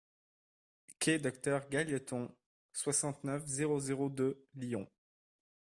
Quai Docteur Gailleton, soixante-neuf, zéro zéro deux Lyon